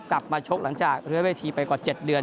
ชกหลังจากรื้อเวทีไปกว่า๗เดือน